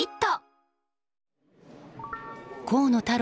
河野太郎